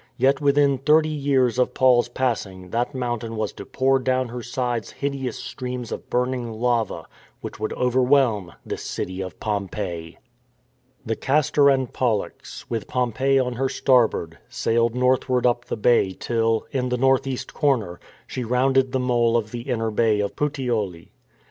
Yet within thirty years of Paul's passing that mountain was to pour down her sides hideous streams of burning lava, which would over whelm this city of Pompeii. The Castor and Pollux, with Pompeii on her star board, sailed northward up the bay till, in the north east corner, she rounded the mole of the inner bay o^ Puteoli.